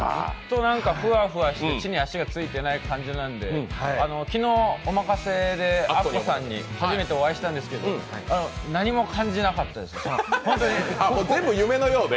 ふわふわして地に足がついてない感じなんで昨日「アッコにおまかせ！」でアッコさんに初めてお会いしたんですけど何も感じなかったです。